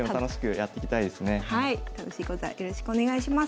はい楽しい講座よろしくお願いします。